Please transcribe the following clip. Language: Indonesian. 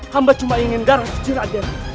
hamba cuma ingin darah suci rade